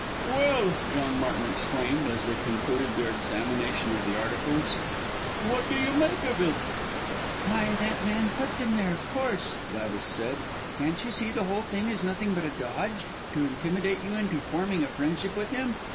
"Well!" John Martin exclaimed, as they concluded their examination of the articles, "what do you make of it?" "Why that man put them there, of course," Gladys said, "can't you see the whole thing is nothing but a dodge to intimidate you into forming a friendship with him.